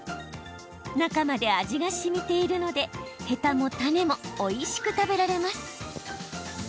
中まで味がしみているのでヘタも種もおいしく食べられます。